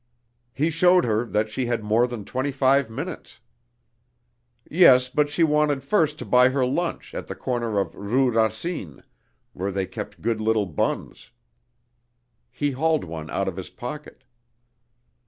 He showed her that she had more than twenty five minutes. Yes, but she wanted first to buy her lunch at the corner of Rue Racine, where they keep good little buns. He hauled one out of his pocket.